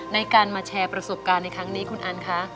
ในการมาแชร์ประสบการณ์ในครั้งนี้คุณอันคะ